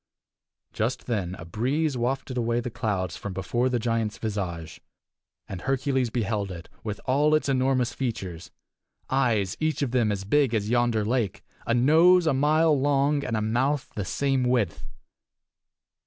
Just then a breeze wafted away the clouds from before the giant's visage, and Hercules beheld it, with all its enormous features eyes each of them as big as yonder lake, a nose a mile long, and a mouth the same width.